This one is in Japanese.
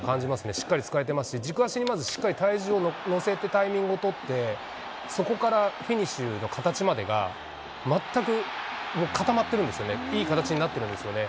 しっかり使えてますし、軸足にしっかり体重を乗せて、タイミングを取って、そこからフィニッシュの形までが全く固まってるんですよね、いい形になってるんですよね。